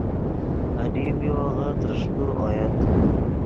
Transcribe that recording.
انیم میوغے ترݰپے اویت